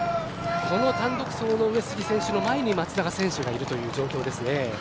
この単独走の上杉選手の前に松田選手がいるという状況ですね。